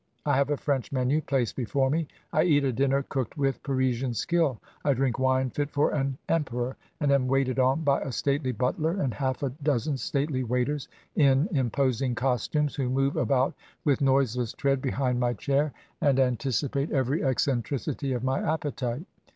I have a French menu placed before me. I eat a dirmer cooked with Parisian skill, I drink wine fit for an em peror, and am waited on by a stately butler and half a dozen stately waiters in imposing costumes, who move about with noiseless tread behind my chair, and antici 228 CAMP LIFE IN INDIA pate every eccentricity of my appetite.